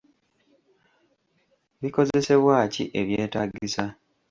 Bikozesebwa ki ebyetaagisa?